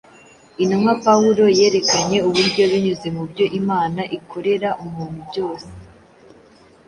Intumwa Pawulo yerekanye uburyo binyuze mu byo Imana ikorera umuntu byose